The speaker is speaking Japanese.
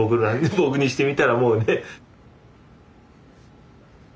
僕にしてみたらもうね。